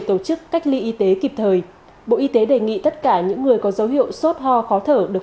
tổ chức cách ly y tế kịp thời bộ y tế đề nghị tất cả những người có dấu hiệu sốt ho khó thở được